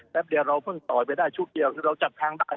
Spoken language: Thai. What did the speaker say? เดียวเราเพิ่งต่อยไปได้ชุดเดียวคือเราจับทางได้